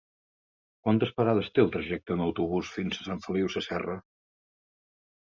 Quantes parades té el trajecte en autobús fins a Sant Feliu Sasserra?